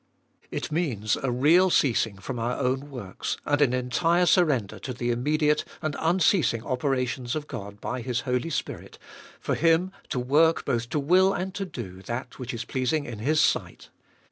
It means a real ceasing from our own works, and an entire surrender to the immediate and unceasing operations of God by His Holy Spirit, for Him to work both to will and to do that which is pleasing in His sight.